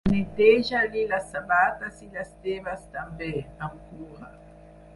Neteja-li les sabates i les teves també, amb cura.